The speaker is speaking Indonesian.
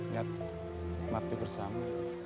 nyat mati bersama